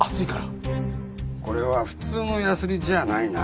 これは普通のヤスリじゃないな。